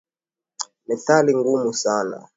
Methali ngumu sana.